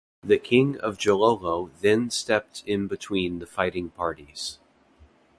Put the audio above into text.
The King of Jailolo then stepped in between the fighting parties.